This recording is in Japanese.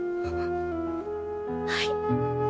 はい。